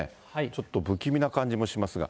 ちょっと不気味な感じもしますが。